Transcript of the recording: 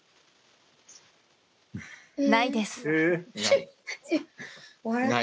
ないです。